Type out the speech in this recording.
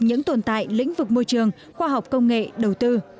những tồn tại lĩnh vực môi trường khoa học công nghệ đầu tư